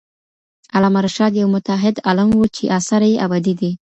علامه رشاد یو متعهد عالم وو چې اثاره یې ابدي دي.